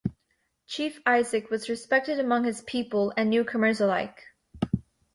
Chief Isaac was respected among his own people and newcomers alike.